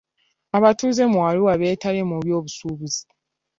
Abatuuze mu Arua beetabye mu by'obusuubuzi.